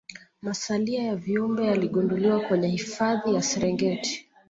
Masalia ya viumbe yaligunduliwa kwenye hifadhi ya serengeti